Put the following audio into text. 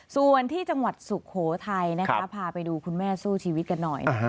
ส่วนที่จังหวัดสุโขทัยนะคะพาไปดูคุณแม่สู้ชีวิตกันหน่อย